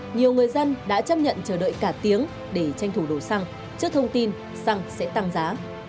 nhiều người dân đã chấp nhận chờ đợi cả tiếng để tranh thủ đồ xăng trước thông tin xăng sẽ tăng giá